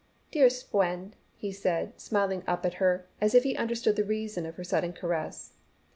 "Dea'st Fwend," he said, smiling up at her as if he understood the reason of her sudden caress.